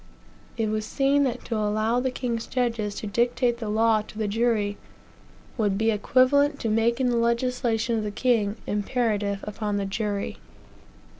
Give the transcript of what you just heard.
It was seen that to allow the king's judges to dictate the law to the jury would be equivalent to making the legislation of the king imperative upon the jury.